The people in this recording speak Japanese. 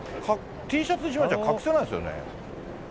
Ｔシャツ１枚じゃ隠せないですよね。